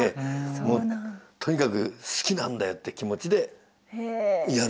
もうとにかく好きなんだよって気持ちでやる。